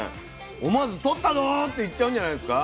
思わず「とったど！」って言っちゃうんじゃないですか。